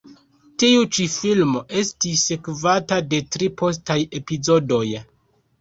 Tiu ĉi filmo estis sekvata de tri postaj epizodoj.